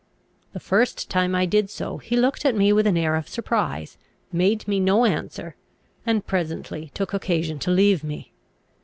The first time I did so, he looked at me with an air of surprise, made me no answer, and presently took occasion to leave me.